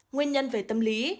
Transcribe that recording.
nguyên nhân về tâm lý